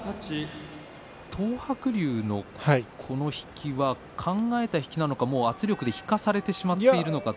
東白龍のこの引きは考えた引きなのか力で引かされてしまったのか。